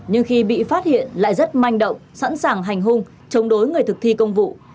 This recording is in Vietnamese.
nhưng khi bị phát hiện lại rất manh động sẵn sàng hành hung chống đối người thực thi công vụ